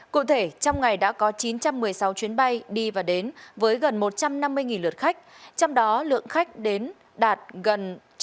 cụ thể trong ngày đã có chín trăm một mươi sáu chuyến bay đi và đến với gần một trăm năm mươi lượt khách trong đó lượng khách đến đạt gần chín mươi một lượt